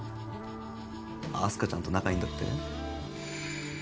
明日香ちゃんと仲いいんだって？